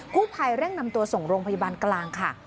ผู้ภัยเร่งนำตัวส่งโรงพยาบาลกลางค่ะ